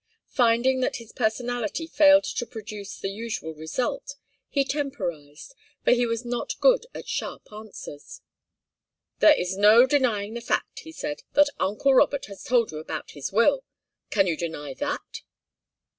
Finding that his personality failed to produce the usual result, he temporized, for he was not good at sharp answers. "There's no denying the fact," he said, "that uncle Robert has told you about his will. Can you deny that?"